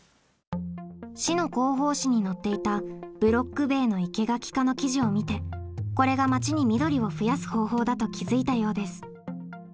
市の広報誌に載っていた「ブロック塀の生け垣化」の記事を見てこれが町に緑を増やす方法だと気づいたようです。